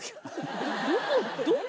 どこ？